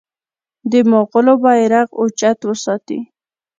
د مغولو بیرغ اوچت وساتي.